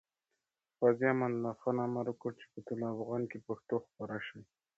غازي امان الله خان امر وکړ چې په طلوع افغان کې پښتو خپاره شي.